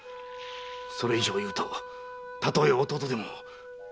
それ以上言うとたとえ弟でも容赦せぬぞ！